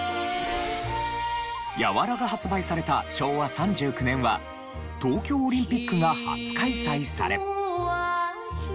『柔』が発売された昭和３９年は東京オリンピックが初開催され。